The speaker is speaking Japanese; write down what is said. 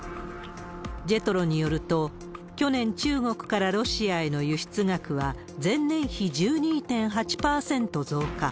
ジェトロによると去年、中国からロシアへの輸出額は、前年比１２．８％増加。